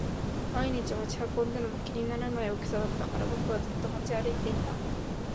毎日持ち運んでも気にならない大きさだったから僕はずっと持ち歩いていた